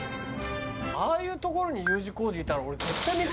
ああいう所にＵ字工事いたら俺。